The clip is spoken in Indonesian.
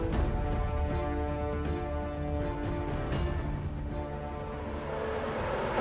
kelapa sekarang beresnya